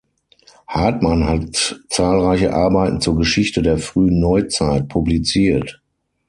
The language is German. Hartmann hat zahlreiche Arbeiten zur Geschichte der frühen Neuzeit publiziert.